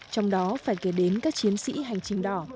trong đó phải kể đến các chiến sĩ hành trình đỏ